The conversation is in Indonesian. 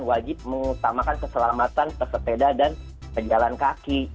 wajib mengutamakan keselamatan pesepeda dan pejalan kaki